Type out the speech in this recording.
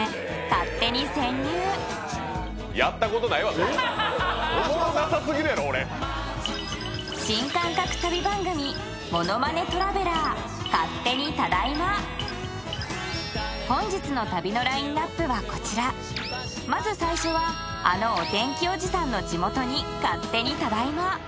あんまり攻めすぎるなもうそして新感覚旅番組本日の旅のラインナップはこちらまず最初はあのお天気おじさんの地元に勝手にただいま